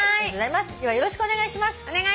よろしくお願いします。